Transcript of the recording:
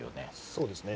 そうですね。